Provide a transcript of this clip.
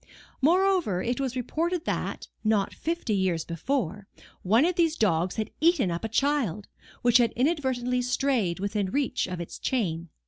Moreover, it was reported that, not fifty years before, one of these dogs had eaten up a child, which had inadvertently strayed within reach of its chain.